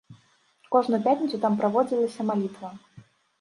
Кожную пятніцу там праводзілася малітва.